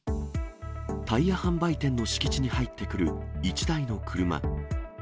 タイヤ販売店の敷地に入ってくる１台の車。